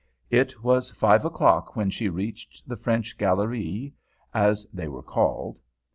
It was five o'clock when she reached the French Galleries, as they were called.